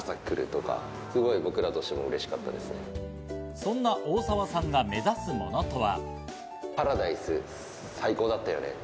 そんな大澤さんが目指すものとは？